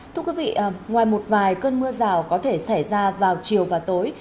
thưa quý vị ngoài một vài cơn mưa rào có thể xảy ra vào chiều và tối